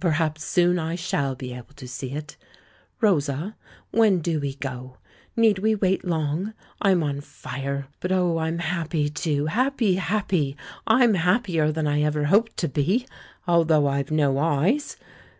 "Perhaps soon I shall be able to see it! Rosa, when do we go — need we wait long? I'm on fire ! But, oh, I'm happy, too — happy, happy! I'm happier than I ever hoped to be, although I've no eyes.